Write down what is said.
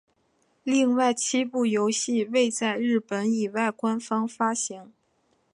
另外七部游戏未在日本以外官方发行。